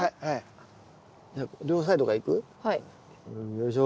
よいしょ。